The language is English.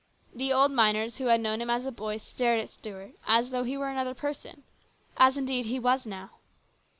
The old miners who had known him as a boy stared at Stuart as though he were another person, as indeed he was now.